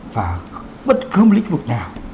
và bất cứ một lĩnh vực nào